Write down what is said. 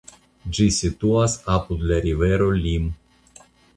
Ĝi situas apud la rivero Lim.